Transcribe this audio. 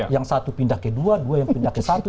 yang satu pindah ke dua dua yang pindah ke satu